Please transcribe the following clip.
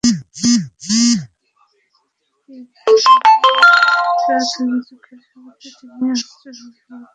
প্রাথমিক জিজ্ঞাসাবাদে তিনি অস্ত্র ব্যবসার সঙ্গে জড়িত থাকার কথা অস্বীকার করেছেন।